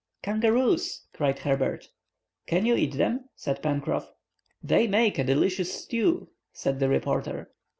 "Kangaroos!" cried Herbert. "Can you eat them?" said Pencroff. "They make a delicious stew," said the reporter.